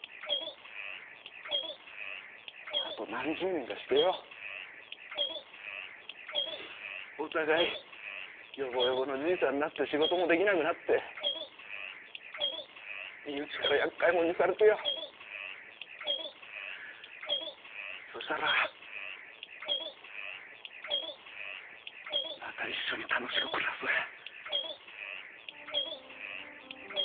あと何十年かしてよお互いヨボヨボのじいさんになって仕事もできなくなって身内からやっかい者にされてよそしたらまた一緒に楽しく暮らそうや。